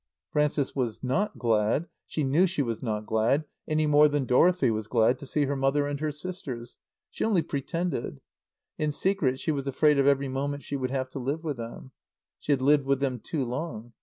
Frances was not glad, she knew she was not glad, any more than Dorothy was glad, to see her mother and her sisters. She only pretended. In secret she was afraid of every moment she would have to live with them. She had lived with them too long.